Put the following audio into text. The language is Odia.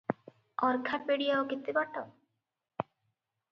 ଅର୍ଖାପେଡି ଆଉ କେତେ ବାଟ?